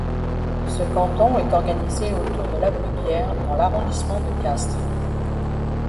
Ce canton était organisé autour de Labruguière dans l'arrondissement de Castres.